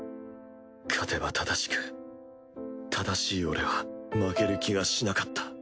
勝てば正しく正しい俺は負ける気がしなかった。